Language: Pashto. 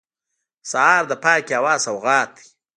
سهار د پاکې هوا سوغات دی.